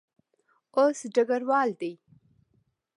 اوس ډګروال دی.